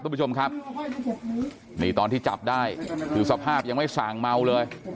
คุณผู้ชมครับนี่ตอนที่จับได้คือสภาพยังไม่สั่งเมาเลย